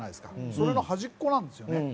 それの端っこなんですよね。